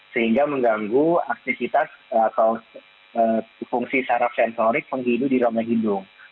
sehingga mengganggu aktivitas atau fungsi saraf sensorik penghidu di roma hidung